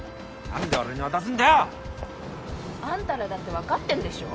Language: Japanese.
なんで俺に渡すんだよ！あんたらだって分かってるでしょ。